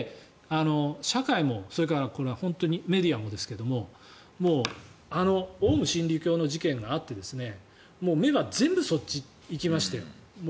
社会もそれからメディアもですけどオウム真理教があって目が全部そっちに行きましたよ。